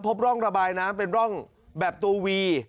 พบร่องระบายน้ำเป็นร่องแบบตัววี